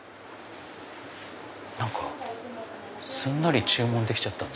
何かすんなり注文できちゃった。